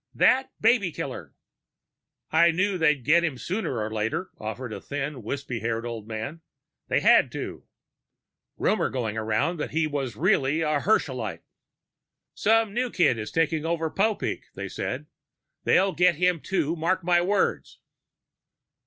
"That baby killer!" "I knew they'd get him sooner or later," offered a thin, wispy haired old man. "They had to." "Rumor going around he was really a Herschelite...." "Some new kid is taking over Popeek, they say. They'll get him too, mark my words."